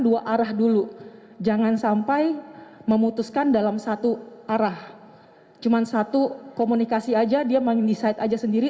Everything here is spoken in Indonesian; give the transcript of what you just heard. dua arah dulu jangan sampai memutuskan dalam satu arah cuma satu komunikasi aja dia mengindecide aja sendiri